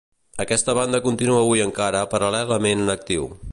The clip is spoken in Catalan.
Aquesta banda continua avui encara paral·lelament en actiu.